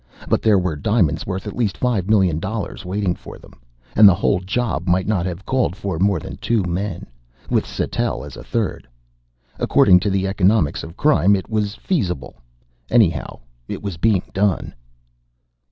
But there were diamonds worth at least five million dollars waiting for them, and the whole job might not have called for more than two men with Sattell as a third. According to the economics of crime, it was feasible. Anyhow it was being done.